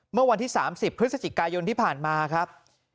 เมื่อวันที่๓๐พฤศจิกายนที่ผ่านมาครับ